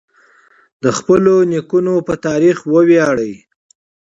د خپلو نیکونو په تاریخ وویاړئ.